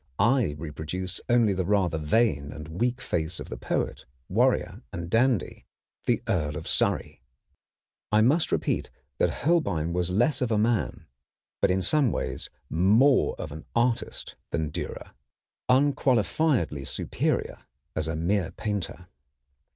I reproduce only the rather vain and weak face of the poet, warrior, and dandy, the Earl of Surrey. I must repeat that Holbein was less of a man but in some ways more of an artist than Dürer, unqualifiedly superior as a mere painter.